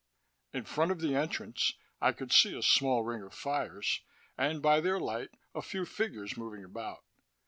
In front of the entrance, I could see a small ring of fires, and by their light a few figures moving about.